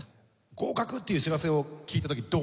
合格っていう知らせを聞いた時どう思いました？